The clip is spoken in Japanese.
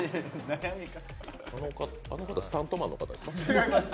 あの方、スタントマンの方ですか？